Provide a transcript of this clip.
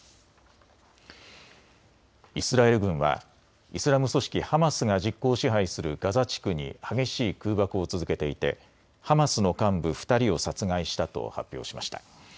イスラエル軍はイスラム組織ハマスが実効支配するガザ地区に激しい空爆を続けていてハマスの幹部２人を殺害したと発表しました。